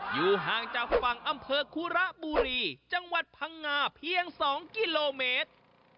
อยู่ห่างจากฝั่งอำเภอคุระบุรีจังหวัดพังงาเพียง๒กิโลเมตร